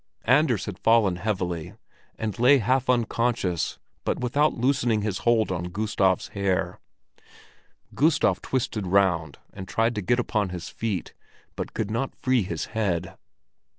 Anders had fallen heavily, and lay half unconscious, but without loosening his hold on Gustav's hair. Gustav twisted round and tried to get upon his feet, but could not free his head.